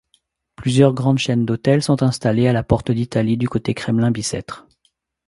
Plusieurs grandes chaînes d'hôtels sont installées à la porte d'Italie du côté Kremlin-Bicêtre.